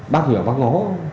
bác nhờ bác ngó